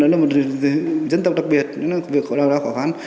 tương dương là một dân tộc đặc biệt nên là việc gọi là khó khăn